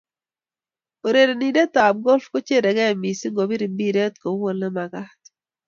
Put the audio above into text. Urerenindetab golf kocherekeei mising kobir mpireet kou ole makaat